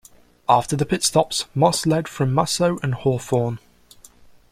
After the pitstops Moss led from Musso and Hawthorn.